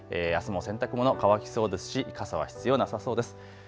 あすも洗濯物、乾きそうですし傘は必要なさそうです。